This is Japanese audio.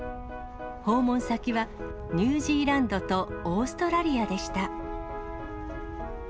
訪問先はニュージーランドとオーストラリアでした。